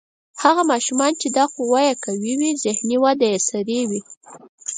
هغه ماشومان چې دا قوه یې قوي وي ذهني وده یې سریع وي.